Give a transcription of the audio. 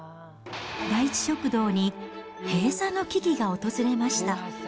第一食堂に閉鎖の危機が訪れました。